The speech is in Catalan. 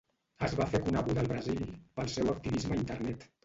Es va fer coneguda al Brasil pel seu activisme a Internet.